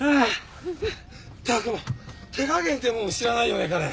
ったくもう手加減ってもんを知らないよね彼。